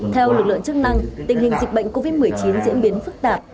theo lực lượng chức năng tình hình dịch bệnh covid một mươi chín diễn biến phức tạp